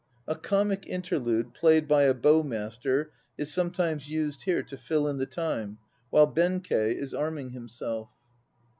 (A Comic interlude played by a bow master is sometimes used here to fill in the time while BENKEI is arming himself.)